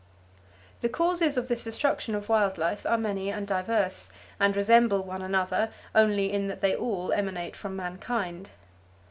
The causes of this destruction of wild life are many and diverse, and resemble one another only in that they all emanate from mankind.